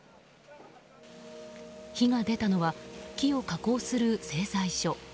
火が出たのは木を加工する製材所。